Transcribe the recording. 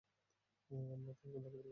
আমরা তার দেখ-ভাল করব।